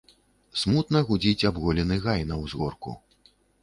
Смутна гудзіць абголены гай на ўзгорку.